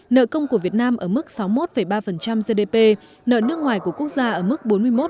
nợ công của việt nam ở mức sáu mươi một ba gdp nợ nước ngoài của quốc gia ở mức bốn mươi một tám